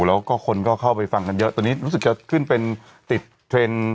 แล้วก็คนก็เข้าไปฟังกันเยอะตอนนี้รู้สึกจะขึ้นเป็นติดเทรนด์